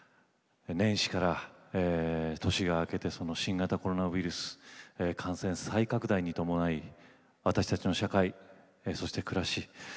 年始から年が明けて新型コロナウイルス感染再拡大に伴い私たちの社会そして暮らし